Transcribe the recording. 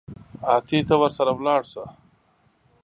اتې ته ورسره ولاړ سه.